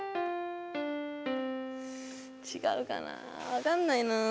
違うかな分かんないな。